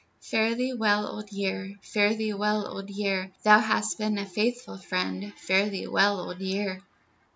_Fare thee well, Old Year, Fare thee well, Old Year, Thou hast been a faithful friend, Fare thee well, Old Year.